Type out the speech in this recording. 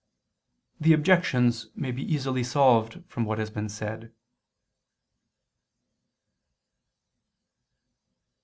The objections may be easily solved from what has been said.